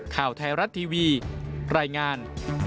ข่าวไทยรัฐทีวีรายงาน